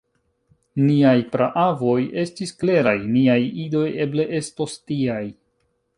Niaj praavoj estis kleraj; niaj idoj eble estos tiaj.